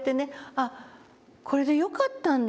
あこれで良かったんだ